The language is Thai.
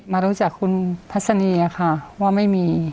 มารู้จักคุณพัฒนีอะค่ะว่าไม่มี